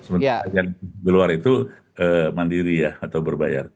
sebenarnya yang keluar itu mandiri ya atau berbayar